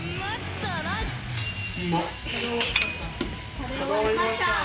食べ終わりました！